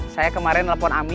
saya kemarin telepon ami